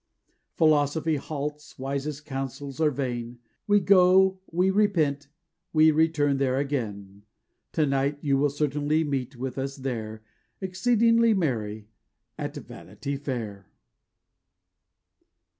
Philosophy halts, wisest counsels are vain,— We go, we repent, we return there again; To night you will certainly meet with us there, Exceedingly merry at Vanity Fair.